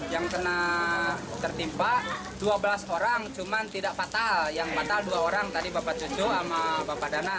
yang kena tertimpa dua belas orang cuman tidak fatal yang fatal dua orang tadi bapak cucu sama bapak dana